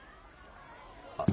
あっ。